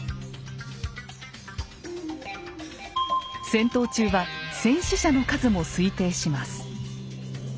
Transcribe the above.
戦闘中は戦死者の数も推定します。